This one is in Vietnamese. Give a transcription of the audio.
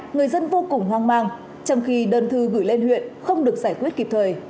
người dân vô cùng hoang mang trong khi đơn thư gửi lên huyện không được giải quyết kịp thời